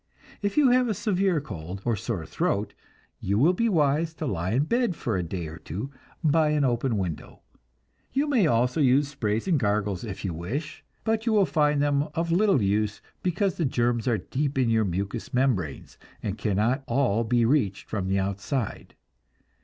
If you have a severe cold or sore throat, you will be wise to lie in bed for a day or two, by an open window. You may also use sprays and gargles if you wish, but you will find them of little use, because the germs are deep in your mucous membranes, and cannot all be reached from the outside.